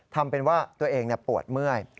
ทำเป็นว่าตัวเองปวดเมื่อย